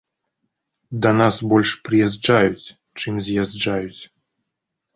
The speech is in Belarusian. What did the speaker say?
Да нас больш прыязджаюць, чым з'язджаюць.